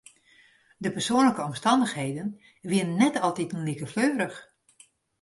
De persoanlike omstannichheden wiene net altiten like fleurich.